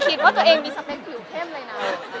คิดว่าตัวเองมีสเปคผิวเข้มเลยนะ